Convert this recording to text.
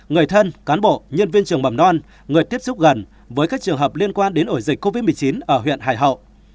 người thân cán bộ nhân viên trường mầm non người tiếp xúc gần với các trường hợp liên quan đến ổ dịch covid một mươi chín ở huyện hải hậu